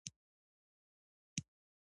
ایا تبه مو د ماښام لخوا وي؟